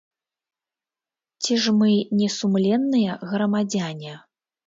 Ці ж мы не сумленныя грамадзяне?